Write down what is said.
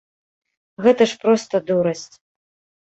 Гэта ж проста дурасць.